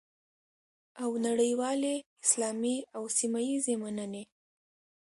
او نړیوالې، اسلامي او سیمه ییزې مننې